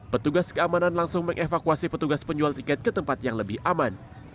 petugas keamanan langsung mengevakuasi petugas penjual tiket ke tempat yang lebih aman